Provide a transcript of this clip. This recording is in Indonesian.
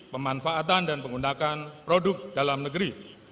pemanfaatan dan penggunakan produk dalam negeri